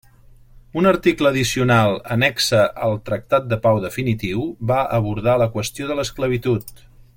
Un article addicional annexa al Tractat de Pau definitiu, va abordar la qüestió de l'esclavitud.